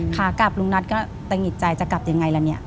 ขากลับลุงนัทก็ตะหิดใจจะกลับยังไงล่ะเนี่ย